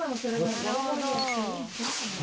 なるほど。